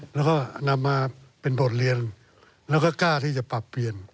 แล้วก็นำมาเป็นบทเรียนแล้วก็กล้าที่จะปรับเปลี่ยน